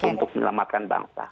untuk menyelamatkan bangsa